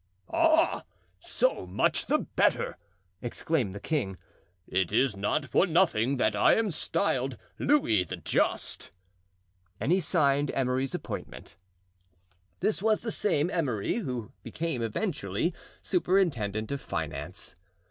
"Ah; so much the better!" exclaimed the king. "It is not for nothing that I am styled Louis the Just," and he signed Emery's appointment. This was the same Emery who became eventually superintendent of finance.